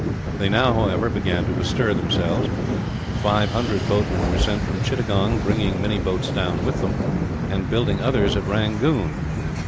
They now, however, began to bestir themselves. Five hundred boatmen were sent from Chittagong, bringing many boats down with them, and building others at Rangoon.